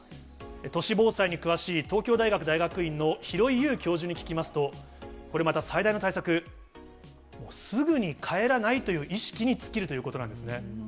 都市防災に詳しい東京大学大学院の廣井悠教授に聞きますと、これまた最大の対策、もう、すぐに帰らないという意識に尽きるということなんですね。